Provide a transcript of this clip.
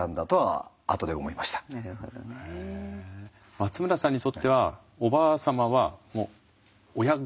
松村さんにとってはおばあ様はもう親代わり？